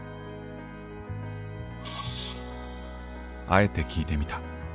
あえて聞いてみた。